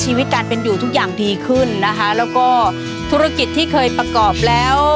ชีวิตการเป็นอยู่ทุกอย่างดีขึ้นนะคะแล้วก็ธุรกิจที่เคยประกอบแล้ว